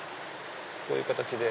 こういう形で。